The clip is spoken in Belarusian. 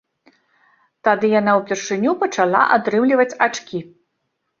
Тады яна ўпершыню пачала атрымліваць ачкі.